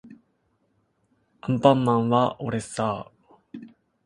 アンパンマンはおれっさー